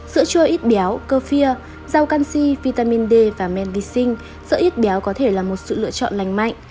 sữa chua ít béo kefir rau canxi vitamin d và menvisin sữa ít béo có thể là một sự lựa chọn lành mạnh